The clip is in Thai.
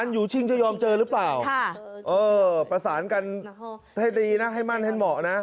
อยู่ชิงจะยอมเจอหรือเปล่าประสานกันให้ดีนะให้มั่นให้เหมาะนะ